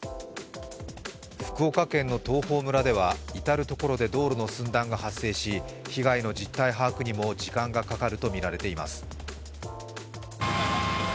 福岡県の東峰村では至る所で道路の寸断が発生し、被害の実態把握にも時間がかかるとみられています。